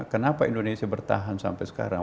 kenapa indonesia bertahan sampai sekarang